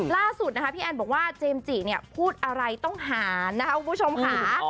ล่าสุดนะคะพี่แอนบอกว่าเจมส์จิเนี่ยพูดอะไรต้องหารนะคะคุณผู้ชมค่ะ